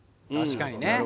確かにね。